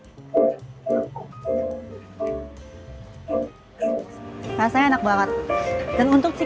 sauté dengan mas potato sekarang saatnya saya mencicipi hidangan bentuknya itu